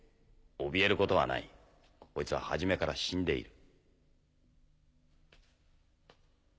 おびえることはないこいつは初めから死んでいる。